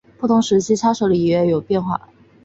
不同时期的叉手礼略有变化。